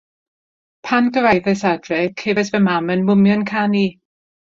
Pan gyrhaeddais adre, cefais fy mam yn mwmian canu.